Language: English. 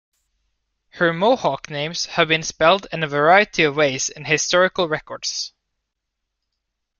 Her Mohawk names have been spelled in a variety of ways in historical records.